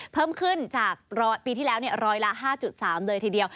เพิ่มขึ้นจากปีที่แล้วร้อยละ๕๓เลยทีเดียว